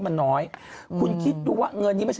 ปรากฏว่า